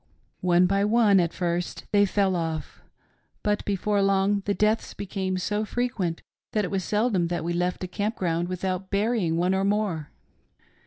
" One by one at first they fell off, but before long the deaths became so frequent that it was seldom that we left a eamp ground without burying one or more.